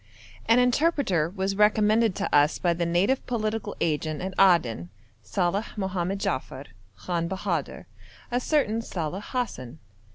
As interpreter was recommended to us by the native political agent at Aden, Saleh Mohammed Jaffer, Khan Bahadur a certain Saleh Hassan.